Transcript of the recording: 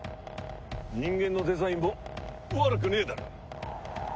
人間のデザインも悪くねえだろ。